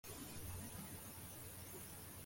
Mubibonaeka ntago amukunda pe